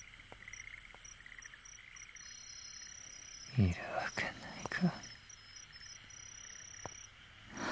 いるわけないか。